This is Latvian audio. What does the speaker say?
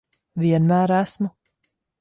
Vienmēr esmu.